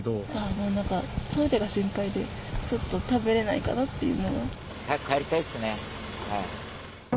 もうなんか、トイレが心配で、ちょっと食べれないかなっていう早く帰りたいっすね。